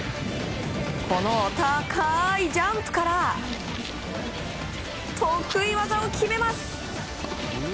高いジャンプから得意技を決めます！